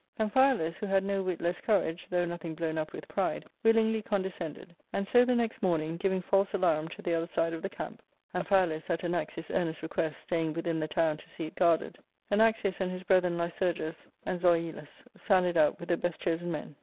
Amphialus, who had no whit less courage, though nothing blown up with pride, willingly con descended ; and so, the next morning, giving false alarum to the other side of the camp (Amphialus, at Anaxius' earnest request, staying within the town to see it guarded), Anaxius ARCADIA:— Book ILL 315 and his brethren Lycurg^s and Zo'ilus sallied out with the best chosen men.